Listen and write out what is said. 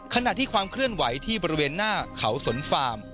ขณะที่ความเคลื่อนไหวที่บริเวณหน้าเขาสนฟาร์ม